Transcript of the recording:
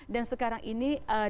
dan sekarang ini